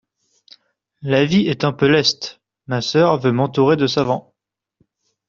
L’avis est un peu leste, Ma sœur veut m’entourer de savants !